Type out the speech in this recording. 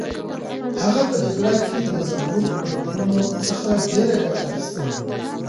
هغه په جګړه کې د زنبورک توپونو څخه ډېره ګټه اخیستله.